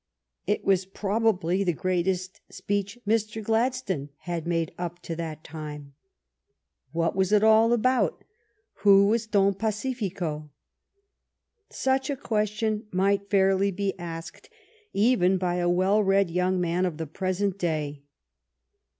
It was probably the greatest speech Mr. Gladstone had made up to that time. What was it all about ? Who was Don Pacifico ? Such questions might fairly be asked even by a well read young man of the present day.